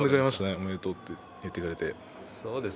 おめでとうって言ってくれて。